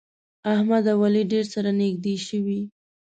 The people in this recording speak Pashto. احمد او علي ډېر سره نږدې شوي.